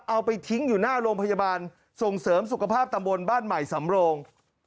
เอาไปทิ้งอยู่หน้าโรงพยาบาลส่งเสริมสุขภาพตำบลบ้านใหม่สำโรง